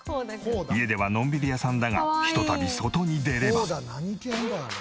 家ではのんびり屋さんだがひとたび外に出れば。